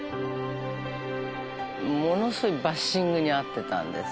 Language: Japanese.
ものすごいバッシングに遭ってたんです。